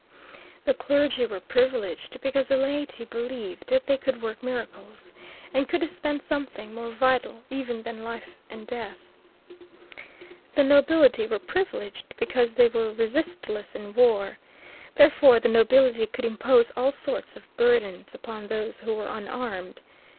The clergy were privileged because the laity believed that they could work miracles, and could dispense something more vital even than life and death. The nobility were privileged because they were resistless in war. Therefore, the nobility could impose all sorts of burdens upon those who were unarmed.